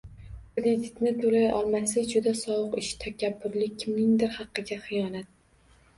Kreditni to'lay olmaslik - juda sovuq ish, takabburlik - kimningdir haqiga xiyonat